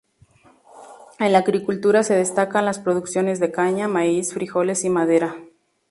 En la agricultura, se destacan las producciones de caña, maíz, frijoles y madera.